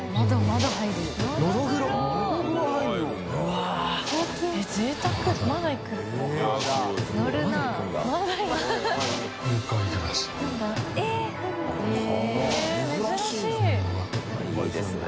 わっいいですね。